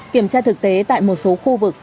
kiểm tra thực tế tại một số khu vực